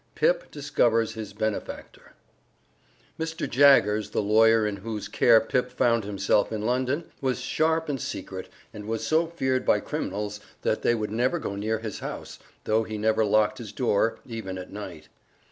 III PIP DISCOVERS HIS BENEFACTOR Mr. Jaggers, the lawyer in whose care Pip found himself in London, was sharp and secret, and was so feared by criminals that they would never go near his house, though he never locked his door, even at night.